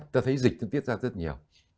ta thấy dịch nó tiết ra rất nhiều